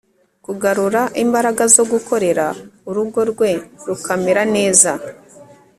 kugarura imbaraga zo gukorera urugo rwe rukamera neza